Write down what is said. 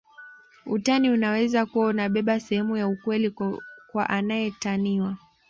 Utani unaweza kuwa unabeba sehemu ya ukweli kwa anaetaniwa